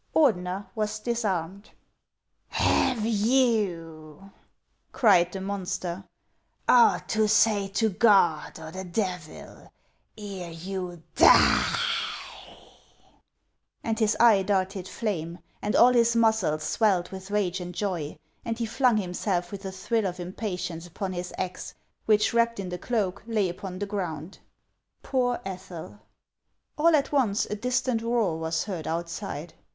Ordener was disarmed. HANS OF ICELAND. 329 " Have you," cried the monster, " aught to say to God or the Devil ere you die ?" And his eye darted flame, and all his muscles swelled with rage and joy, and he flung himself with a thrill of impatience upon his axe, which, wrapped in the cloak, lay upon the ground. Poor Ethel ' All at once a distant roar was heard outside.